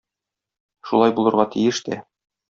Шулай булырга тиеш тә.